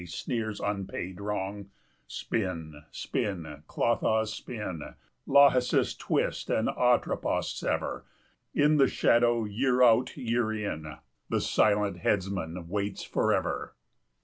sneers unpaid Wrong. Spin, spin, Clotho, spin! 45 Lachesis, twist! and, Atropos, sever! In the shadow, year out, year in, The silent headsman waits forever.